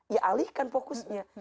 ya alihkan fokusnya